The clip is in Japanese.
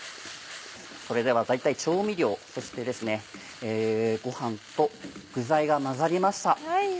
それでは大体調味料そしてご飯と具材が混ざりました。